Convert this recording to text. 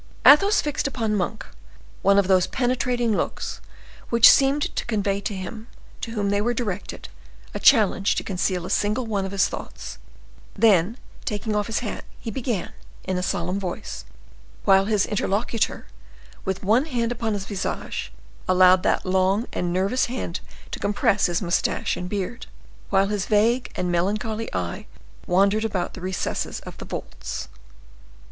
Athos fixed upon Monk one of those penetrating looks which seemed to convey to him to whom they are directed a challenge to conceal a single one of his thoughts; then, taking off his hat, he began in a solemn voice, while his interlocutor, with one hand upon his visage, allowed that long and nervous hand to compress his mustache and beard, while his vague and melancholy eye wandered about the recesses of the vaults.